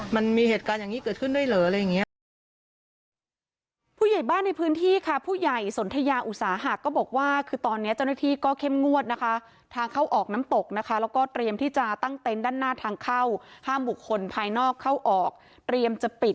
มันมีเหตุการณ์อย่างนี้เกิดขึ้นด้วยเหรออะไรอย่างนี้